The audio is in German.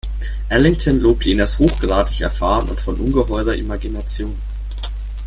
Ellington lobte ihn als „hochgradig erfahren und von ungeheurer Imagination“.